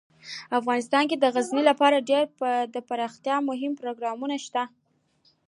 افغانستان کې د غزني لپاره ډیر دپرمختیا مهم پروګرامونه شته دي.